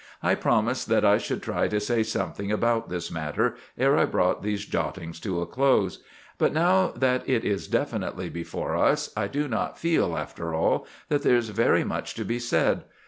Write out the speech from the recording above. I promised that I should try to say something about this matter ere I brought these jottings to a close; but now that it is definitely before us, I do not feel, after all, that there is very much to be said.